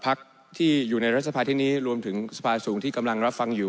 พักที่อยู่ในรัฐสภาที่นี้รวมถึงสภาสูงที่กำลังรับฟังอยู่